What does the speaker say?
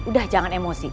udah jangan emosi